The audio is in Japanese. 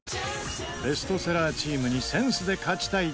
ベストセラーチームにセンスで勝ちたいキスマイ。